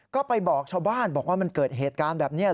ก็ไปบอกชาวบ้านบอกว่ามันเกิดเหตุการณ์แบบนี้